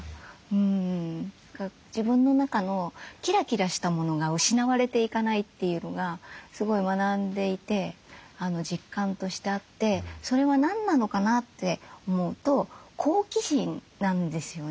自分の中のキラキラしたものが失われていかないというのがすごい学んでいて実感としてあってそれは何なのかなって思うと好奇心なんですよね。